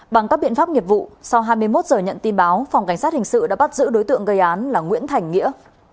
bằng các biện pháp nghiệp vụ sau hai mươi một giờ nhận tin báo phòng cảnh sát hình sự đã bắt giữ đối tượng gây án là nguyễn thành nghĩa